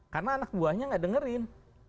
karena anak buahnya gak dengerin